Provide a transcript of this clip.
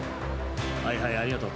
［はいはいありがとう。